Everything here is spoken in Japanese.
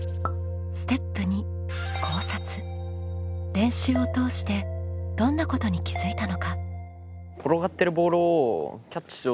練習を通してどんなことに気づいたのか？